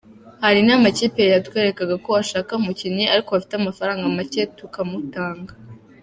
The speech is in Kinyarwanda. Hari n’amakipe yatwerekaga ko ashaka umukinnyi ariko bafite amafaranga make tukamutanga.